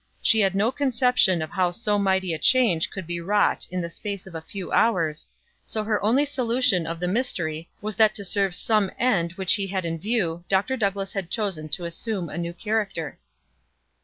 She had no conception of how so mighty a change could be wrought in the space of a few hours, so her only solution of the mystery was that to serve some end which he had in view Dr. Douglass had chosen to assume a new character.